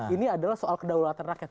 ini adalah soal kedaulatan rakyat